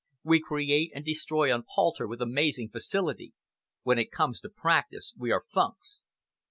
"We create and destroy on palter with amazing facility. When it comes to practice, we are funks."